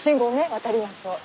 渡りましょうはい。